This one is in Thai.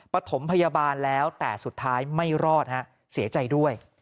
ปฐมพยาบาลแล้วแต่สุดท้ายไม่รอดฮะเสียใจด้วย